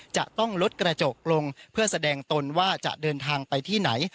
จะต้องลดกระจกลงเพื่อแสดงตนว่าจะเดินทางไปที่ไหน